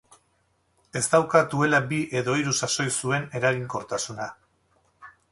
Ez dauka duela bi edo hiru sasoi zuen eraginkortasuna.